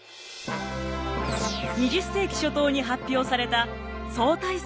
２０世紀初頭に発表された相対性理論。